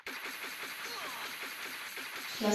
La sala de los matrimonios ha sido restaurada varias veces.